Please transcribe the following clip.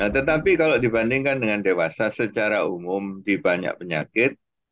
tetapi kalau dibandingkan dengan dewasa secara umum di banyak penyakit